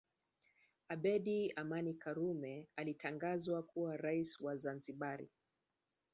Abedi Amani Karume alitangazwa kuwa rais wa Zanzibari